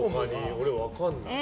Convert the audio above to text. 俺、分かんない。